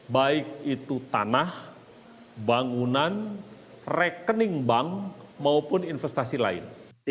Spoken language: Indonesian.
baik itu tanah bangunan rekening bank maupun investasi lain